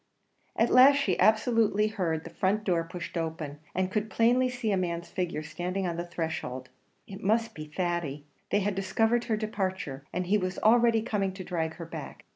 At last she absolutely heard the front door pushed open, and could plainly see a man's figure standing on the threshold. It must be Thady! They had discovered her departure, and he was already coming to drag her back!